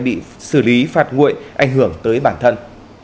bị xử lý phạt nguội ảnh hưởng tới bản thân